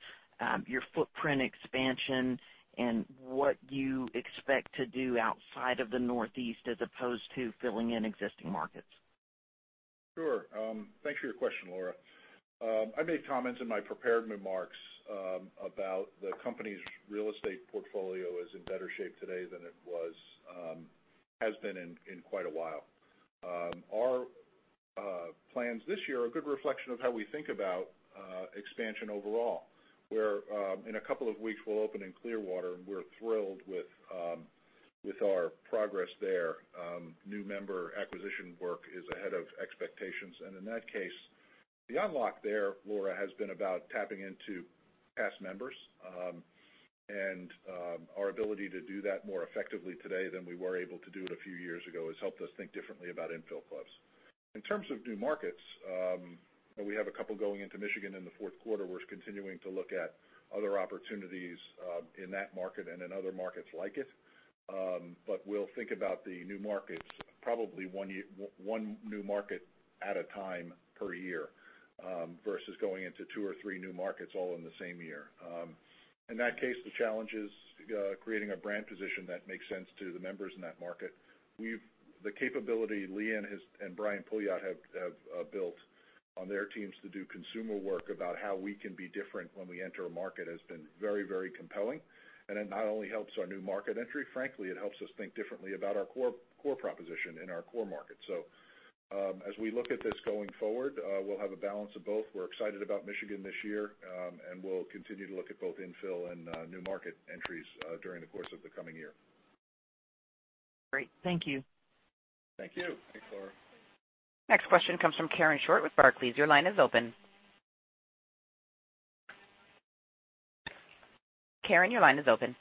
your footprint expansion and what you expect to do outside of the Northeast as opposed to filling in existing markets? Sure. Thanks for your question, Laura. I made comments in my prepared remarks about the company's real estate portfolio is in better shape today than it has been in quite a while. Our plans this year are a good reflection of how we think about expansion overall, where in a couple of weeks, we'll open in Clearwater, and we're thrilled with our progress there. New member acquisition work is ahead of expectations, and in that case, the unlock there, Laura, has been about tapping into past members. Our ability to do that more effectively today than we were able to do it a few years ago has helped us think differently about infill clubs. In terms of new markets, we have a couple going into Michigan in the fourth quarter. We're continuing to look at other opportunities in that market and in other markets like it. We'll think about the new markets, probably one new market at a time per year, versus going into two or three new markets all in the same year. In that case, the challenge is creating a brand position that makes sense to the members in that market. The capability Lee and Brian Pouliot have built on their teams to do consumer work about how we can be different when we enter a market has been very compelling, and it not only helps our new market entry, frankly, it helps us think differently about our core proposition in our core market. As we look at this going forward, we'll have a balance of both. We're excited about Michigan this year, and we'll continue to look at both infill and new market entries during the course of the coming year. Great. Thank you. Thank you. Thanks, Laura. Next question comes from Karen Short with Barclays. Your line is open. Karen, your line is open.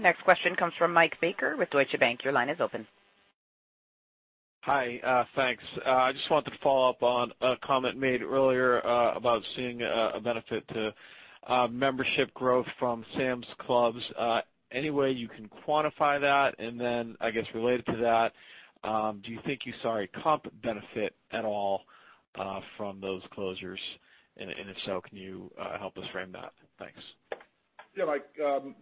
Next question comes from Michael Baker with Deutsche Bank. Your line is open. Hi, thanks. I just wanted to follow up on a comment made earlier about seeing a benefit to membership growth from Sam's Club. Any way you can quantify that? Then, I guess related to that, do you think you saw a comp benefit at all from those closures? And if so, can you help us frame that? Thanks. Mike,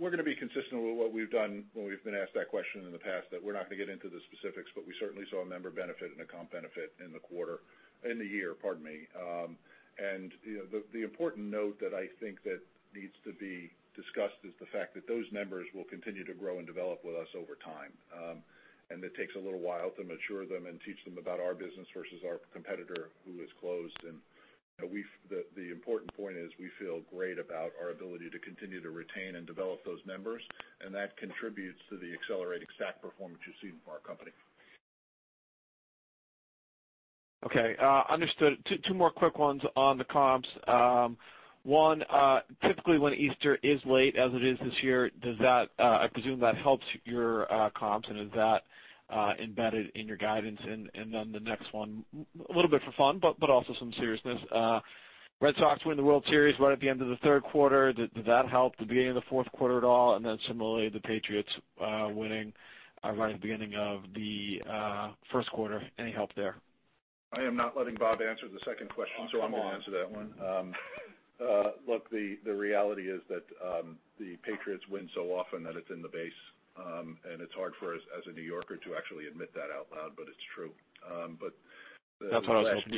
we're going to be consistent with what we've done when we've been asked that question in the past, that we're not going to get into the specifics, but we certainly saw a member benefit and a comp benefit in the year, pardon me. The important note that I think that needs to be discussed is the fact that those members will continue to grow and develop with us over time. It takes a little while to mature them and teach them about our business versus our competitor who has closed. The important point is we feel great about our ability to continue to retain and develop those members, and that contributes to the accelerating stack performance you're seeing from our company. Okay, understood. Two more quick ones on the comps. One, typically when Easter is late, as it is this year, I presume that helps your comps, is that embedded in your guidance? The next one, a little bit for fun, but also some seriousness. Red Sox win the World Series right at the end of the third quarter. Did that help the beginning of the fourth quarter at all? Similarly, the Patriots winning right at the beginning of the first quarter. Any help there? I am not letting Bob answer the second question- Oh, come on I'm going to answer that one. Look, the reality is that the Patriots win so often that it's in the base. It's hard for us as a New Yorker to actually admit that out loud, but it's true. That's what I was hoping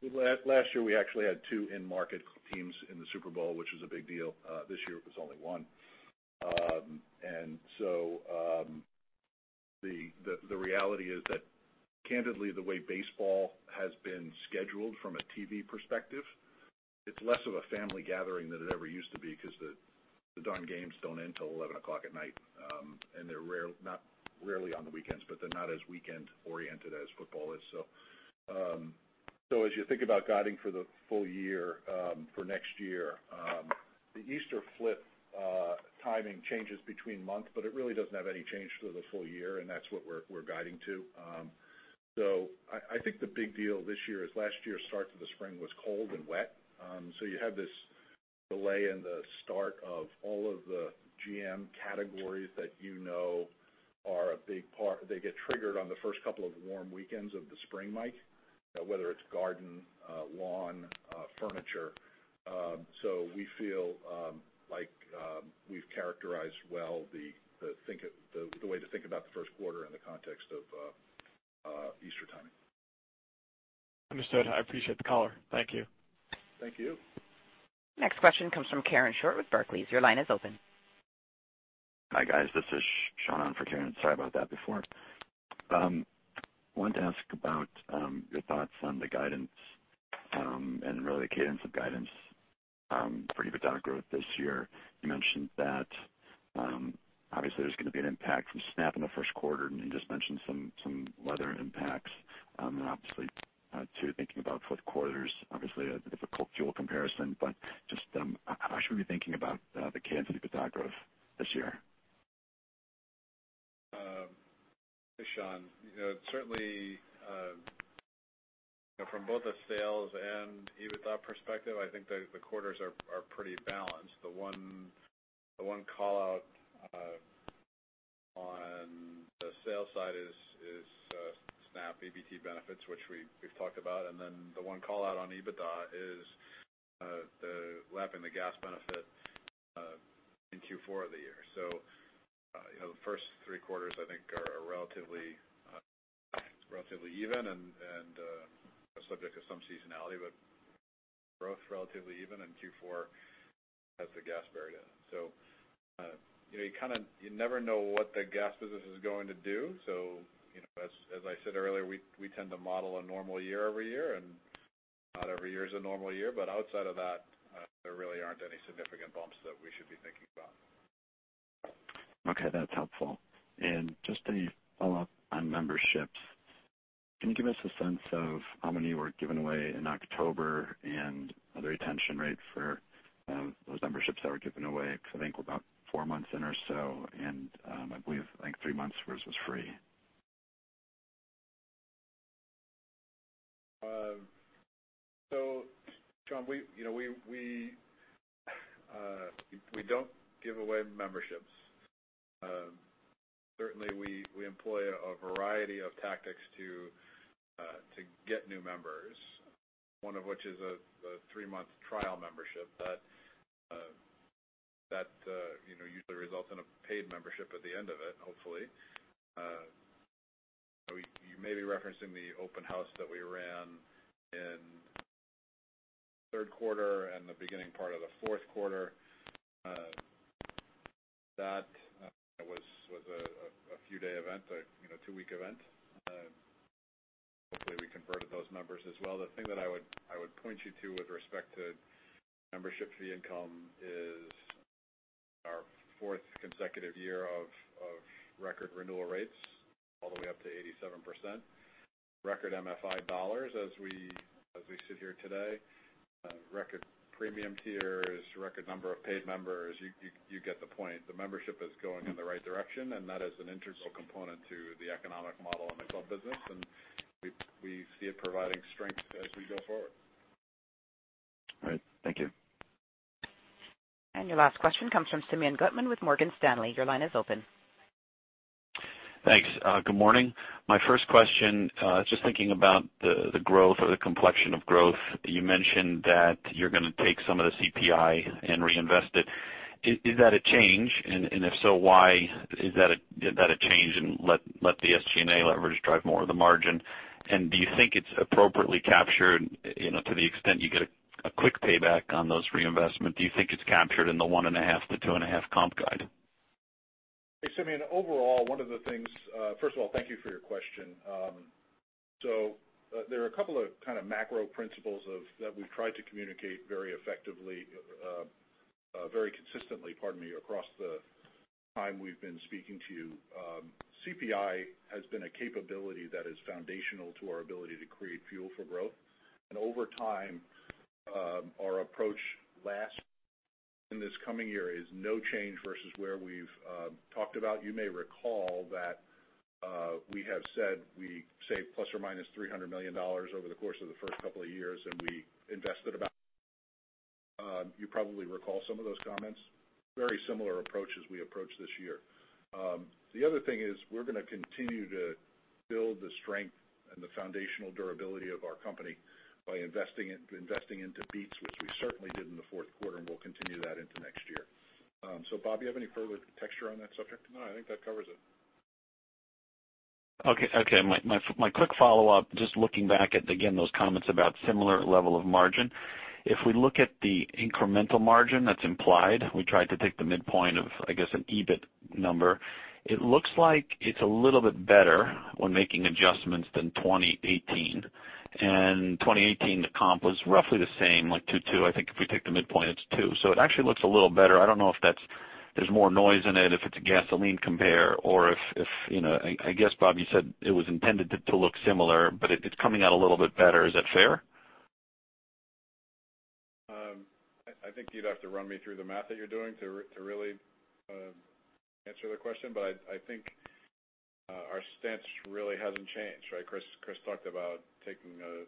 you'd say. Last year, we actually had two in-market teams in the Super Bowl, which was a big deal. This year it was only one. The reality is that candidly, the way baseball has been scheduled from a TV perspective, it's less of a family gathering than it ever used to be because the darn games don't end till 11:00 P.M., and they're rarely on the weekends, but they're not as weekend-oriented as football is. As you think about guiding for the full year for next year, the Easter flip timing changes between months, but it really doesn't have any change to the full year, and that's what we're guiding to. I think the big deal this year is last year's start to the spring was cold and wet. You have this delay in the start of all of the GM categories that you know are a big part. They get triggered on the first couple of warm weekends of the spring, Mike, whether it's garden, lawn, furniture. We feel like we've characterized well the way to think about the first quarter in the context of Easter timing. Understood. I appreciate the color. Thank you. Thank you. Next question comes from Karen Short with Barclays. Your line is open. Hi, guys. This is Sean on for Karen. Sorry about that before. I wanted to ask about your thoughts on the guidance, and really the cadence of guidance for EBITDA growth this year. You mentioned that obviously there's going to be an impact from SNAP in the first quarter, and you just mentioned some weather impacts. Obviously too, thinking about fourth quarter is obviously a difficult fuel comparison, but just how should we be thinking about the cadence of EBITDA growth this year? Sean, certainly from both a sales and EBITDA perspective, I think the quarters are pretty balanced. The one call-out on the sales side is SNAP EBT benefits, which we've talked about. The one call-out on EBITDA is the lapping the gas benefit in Q4 of the year. The first three quarters I think are relatively even and subject to some seasonality, but growth's relatively even, and Q4 has the gas buried in it. You never know what the gas business is going to do. As I said earlier, we tend to model a normal year every year, and not every year is a normal year. Outside of that, there really aren't any significant bumps that we should be thinking about. That's helpful. Just a follow-up on memberships. Can you give us a sense of how many were given away in October and the retention rate for those memberships that were given away? Because I think we're about four months in or so, and I believe I think three months for us was free. Sean, we don't give away memberships. Certainly, we employ a variety of tactics to get new members, one of which is a three-month trial membership that usually results in a paid membership at the end of it, hopefully. You may be referencing the open house that we ran in the third quarter and the beginning part of the fourth quarter. That was a few-day event, a two-week event. Hopefully, we converted those members as well. The thing that I would point you to with respect to membership fee income is our fourth consecutive year of record renewal rates all the way up to 87%. Record MFI dollars as we sit here today. Record premium tiers, record number of paid members. You get the point. The membership is going in the right direction, and that is an integral component to the economic model of the club business, and we see it providing strength as we go forward. All right. Thank you. Your last question comes from Simeon Gutman with Morgan Stanley. Your line is open. Thanks. Good morning. My first question, just thinking about the growth or the complexion of growth, you mentioned that you're going to take some of the CPI and reinvest it. Is that a change? If so, why is that a change? Let the SG&A leverage drive more of the margin. Do you think it's appropriately captured, to the extent you get a quick payback on those reinvestment, do you think it's captured in the 1.5%-2.5% comp guide? Hey, Simeon. First of all, thank you for your question. There are a couple of macro principles that we've tried to communicate very effectively, very consistently, pardon me, across the time we've been speaking to you. CPI has been a capability that is foundational to our ability to create fuel for growth. Over time, our approach last and this coming year is no change versus where we've talked about. You may recall that we have said we save ±$300 million over the course of the first couple of years, we invested about You probably recall some of those comments. Very similar approach as we approach this year. The other thing is we're going to continue to build the strength and the foundational durability of our company by investing into beats, which we certainly did in the fourth quarter, and we'll continue that into next year. Bob, you have any further texture on that subject? No, I think that covers it. Okay. My quick follow-up, just looking back at, again, those comments about similar level of margin. If we look at the incremental margin that's implied, we tried to take the midpoint of, I guess, an EBIT number. It looks like it's a little bit better when making adjustments than 2018. 2018 comp was roughly the same, like 2.2. I think if we take the midpoint, it's 2%. It actually looks a little better. I don't know if there's more noise in it, if it's a gasoline compare or if I guess, Bob, you said it was intended to look similar, but it's coming out a little bit better. Is that fair? I think you'd have to run me through the math that you're doing to really answer the question, I think our stance really hasn't changed, right? Chris talked about taking a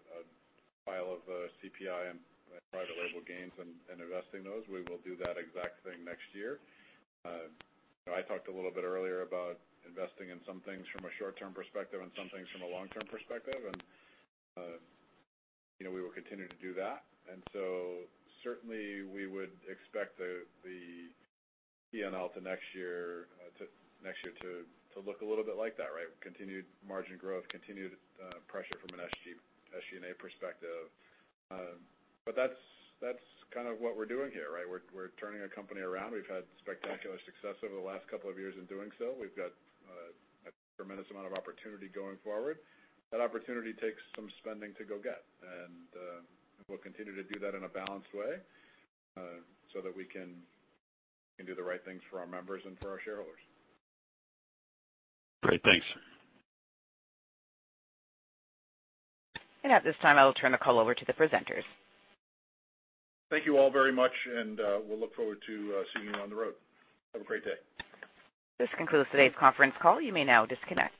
pile of CPI and private label gains and investing those. We will do that exact thing next year. I talked a little bit earlier about investing in some things from a short-term perspective and some things from a long-term perspective, we will continue to do that. Certainly we would expect the P&L to next year to look a little bit like that, right? Continued margin growth, continued pressure from an SG&A perspective. That's kind of what we're doing here, right? We're turning our company around. We've had spectacular success over the last couple of years in doing so. We've got a tremendous amount of opportunity going forward. That opportunity takes some spending to go get, and we'll continue to do that in a balanced way, so that we can do the right things for our members and for our shareholders. Great. Thanks. At this time, I will turn the call over to the presenters. Thank you all very much, and we'll look forward to seeing you on the road. Have a great day. This concludes today's conference call. You may now disconnect.